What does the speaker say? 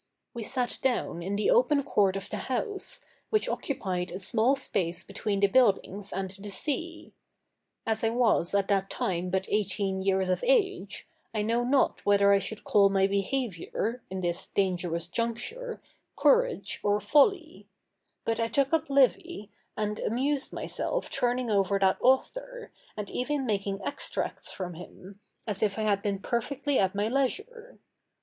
We sat down in the open court of the house, which occupied a small space between the buildings and the sea. As I was at that time but eighteen years of age, I know not whether I should call my behavior, in this dangerous juncture, courage or folly; but I took up Livy, and amused myself turning over that author, and even making extracts from him, as if I had been perfectly at my leisure.